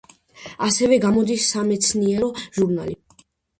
ასევე გამოდის სამეცნიერო ჟურნალი.